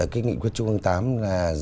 cái nghị quyết trung ương tám